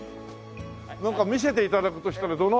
なんか見せて頂くとしたらどの辺りが？